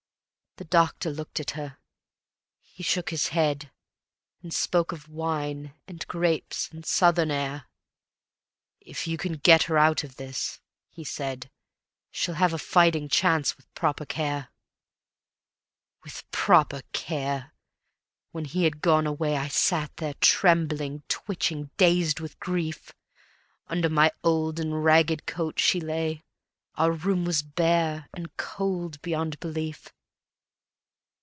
The doctor looked at her; he shook his head, And spoke of wine and grapes and Southern air: "If you can get her out of this," he said, "She'll have a fighting chance with proper care." "With proper care!" When he had gone away, I sat there, trembling, twitching, dazed with grief. Under my old and ragged coat she lay, Our room was bare and cold beyond belief.